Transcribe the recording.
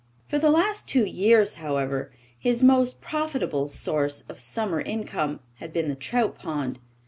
For the last two years, however, his most profitable source of summer income had been the trout pond.